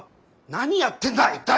何やってんだ一体！